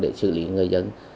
để xử lý người dân